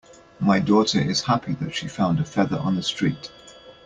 My daughter is happy that she found a feather on the street.